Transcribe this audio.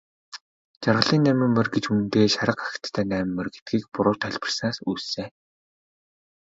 Жаргалын найман морь гэж үнэндээ шарга агттай найман морь гэдгийг буруу тайлбарласнаас үүссэн.